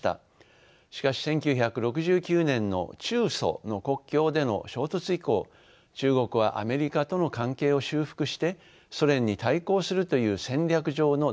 しかし１９６９年の中ソの国境での衝突以降中国はアメリカとの関係を修復してソ連に対抗するという戦略上の大転換を図ります。